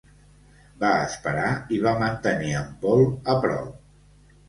Va esperar i va mantenir en Paul a prop